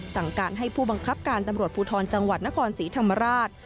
สั่งการให้ผู้บังคับการตำรวจภูทรจังหวัดนครศรีธรรมราช